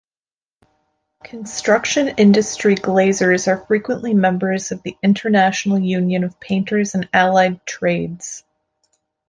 Construction-industry glaziers are frequently members of the International Union of Painters and Allied Trades.